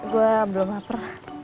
gue belum lapar